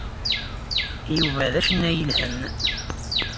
Yuba d acennay yelhan.